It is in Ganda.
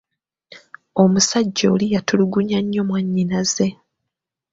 Omusajja oli yatulugunya nnyo mwanyinaze!